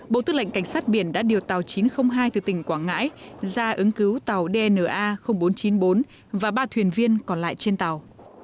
bộ tư lệnh cảnh sát biển đã điều tàu chín trăm linh hai từ tỉnh quảng ngãi ra ứng cứu tàu dna bốn trăm chín mươi bốn và ba thuyền viên còn lại trên tàu